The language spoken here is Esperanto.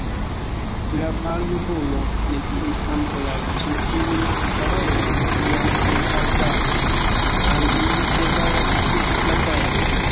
La maljunulo ne finis ankoraŭ ĉi tiujn parolojn, kiam en arbaro aŭdiĝis ĉevala piedfrapado.